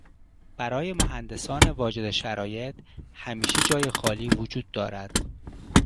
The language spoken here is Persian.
برای مهندسان واجد شرایط همیشه جای خالی وجود دارد.